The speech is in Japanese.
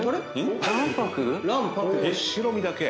白身だけ。